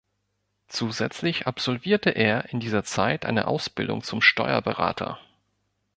Zusätzlich absolvierte er in dieser Zeit eine Ausbildung zum Steuerberater.